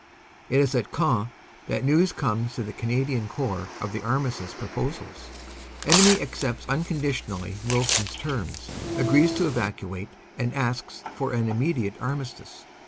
It is at Queant that news comes to the Canadian Corps of the armistice proposals. "Enemy accepts unconditionally BATTLE PIECES 321 Wilson s terms, agrees to evacuate and asks for an immediate armistice."